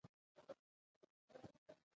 هغه د ناپلیون ماته شوې مجسمه ولیده.